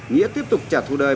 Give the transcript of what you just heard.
nghĩa tiếp tục trả thu đời